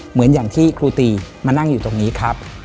เหมือนอย่างที่ครูตีมานั่งอยู่ตรงนี้ครับ